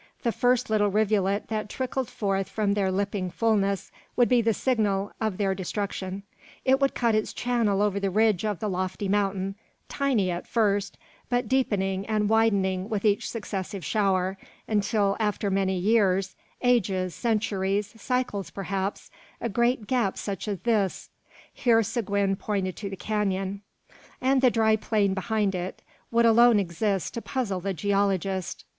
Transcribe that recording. The first little rivulet that trickled forth from their lipping fulness would be the signal of their destruction. It would cut its channel over the ridge of the lofty mountain, tiny at first, but deepening and widening with each successive shower, until, after many years ages, centuries, cycles perhaps a great gap such as this," (here Seguin pointed to the canon), "and the dry plain behind it, would alone exist to puzzle the geologist."